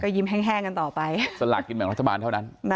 ยิ้มแห้งกันต่อไปสลากกินแบ่งรัฐบาลเท่านั้น